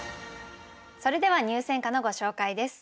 それでは入選歌のご紹介です。